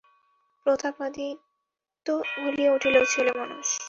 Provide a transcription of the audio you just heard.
প্রতাপাদিত্য বলিয়া উঠিলেন, ছেলেমানুষ!